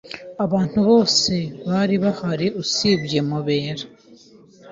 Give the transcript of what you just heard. Abantu bose bari bahari usibye Mubera.